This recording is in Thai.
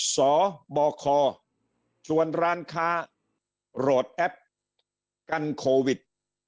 สบคส่วนร้านค้าโหลดแอปกันโควิด